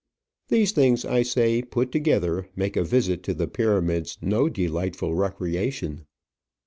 These things, I say, put together, make a visit to the Pyramids no delightful recreation.